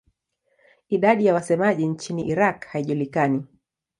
Idadi ya wasemaji nchini Iraq haijulikani.